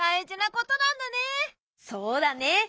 そうだね。